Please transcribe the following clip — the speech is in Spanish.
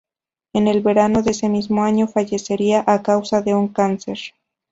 En el verano de ese mismo año fallecería a causa de un cáncer.